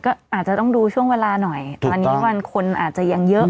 ก็อาจจะต้องดูช่วงเวลาหน่อยตอนนี้วันคนอาจจะยังเยอะ